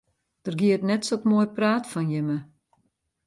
Der giet net sok moai praat fan jimme.